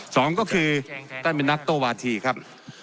สองก็คือท่านเป็นนักโต้วาธีครับ